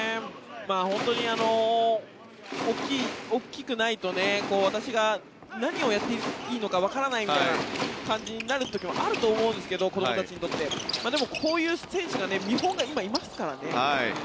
本当に大きくないと私が何をやっていいのかわからないみたいな感じになる時もあると思うんですけど子どもたちにとってでも、こういう選手が見本が今いますからね。